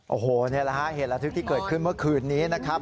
โอ้โหนี่แหละฮะเหตุระทึกที่เกิดขึ้นเมื่อคืนนี้นะครับ